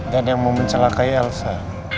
dan yang mau mencelakai elsa